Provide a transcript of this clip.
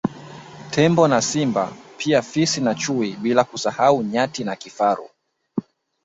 Tembo na Simba pia Fisi na chui bila kusahau Nyati na Kifaru